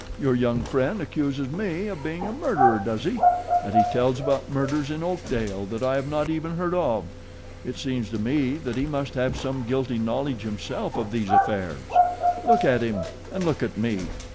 Your young friend accuses me of being a murderer, does he? And he tells about murders in Oakdale that I have not even heard of. It seems to me that he must have some guilty knowledge himself of these affairs. Look at him and look at me.